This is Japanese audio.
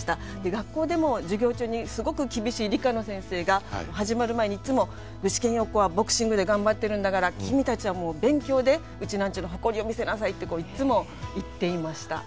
学校でも授業中にすごく厳しい理科の先生が始まる前にいつも「具志堅用高はボクシングで頑張ってるんだから君たちは勉強でうちなーんちゅの誇りを見せなさい」っていつも言っていました。